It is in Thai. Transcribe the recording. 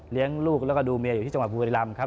เลี้ยงลูกแล้วก็ดูเมียอยู่ที่จังหวะภูมิลำครับ